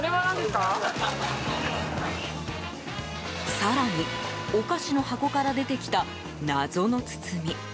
更に、お菓子の箱から出てきた謎の包み。